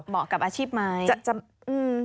เหมาะกับอาชีพไหม